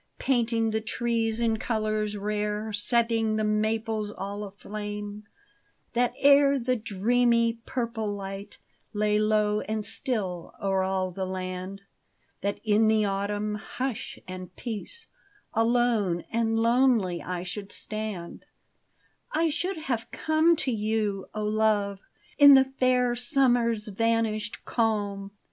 Painting the trees in colors rare, Setting the maples all aflame ; That ere the dreamy, purple light Lay low and still o'er all the land. That in the autumn hush and peace Alone and lonely I should stand, — I should have come to you, O love, In the fair summer's vanished calm.